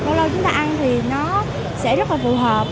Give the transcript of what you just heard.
lâu lâu chúng ta ăn thì nó sẽ rất là phù hợp